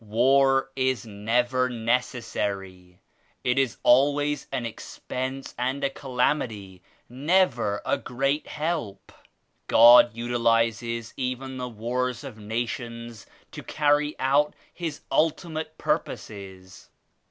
War is never necessary. It is always an expense and a calamity, never a great help. God utilizes even the wars of nations to carry out His ultimate purposes.